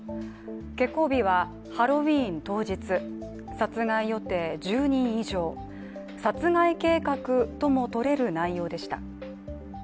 「決行日はハロウィーン当日」「殺害予定１０人以上」殺害計画ともとれる内容でした。